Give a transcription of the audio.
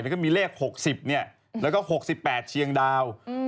แล้วก็มีเลข๖๐แล้วก็๖๘เชียงดาว